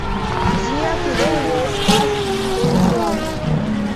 Ĝia sidejo estas en Dijon.